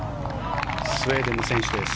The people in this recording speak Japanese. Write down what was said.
スウェーデンの選手です。